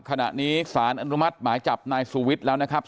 ขณะนี้สารอนุมัติหมายจับนายสุวิทย์แล้วนะครับ